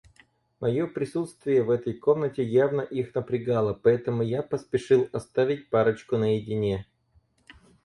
Мое присутствие в этой комнате явно их напрягало, поэтому я поспешил оставить парочку наедине.